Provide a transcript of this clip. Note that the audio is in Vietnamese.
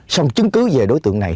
xong chứng cứ về đối tượng này